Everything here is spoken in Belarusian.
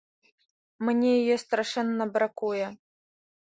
Мне яе страшэнна бракуе.